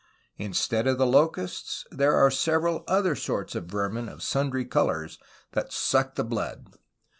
Instead of the locusts, there are several other sorts of vermin of sundry colours, that suck the blood.